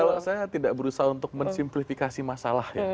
kalau saya tidak berusaha untuk mensimplifikasi masalah ya